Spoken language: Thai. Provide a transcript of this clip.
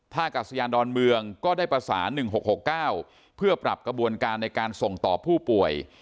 ถ้ากัศยานดอนเมืองก็ได้ประสาน๑๖๖๙เพื่อปรับกระบวนการในการส่งต่อผู้ป่วย